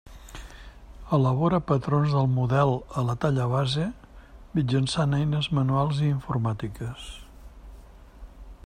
Elabora patrons del model a la talla base mitjançant eines manuals i informàtiques.